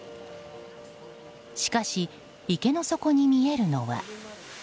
しかし、池の底に見えるのは。